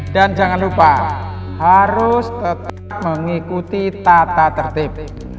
dan jangan lupa harus tetap mengikuti tata tertib